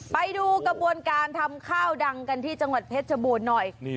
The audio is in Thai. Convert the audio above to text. ไปดูกระบวนการทำข้าวดังกันที่จังหวัดเพชรชบูรณ์หน่อย